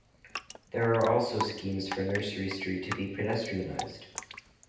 There are also schemes for Nursery Street to be pedestrianised.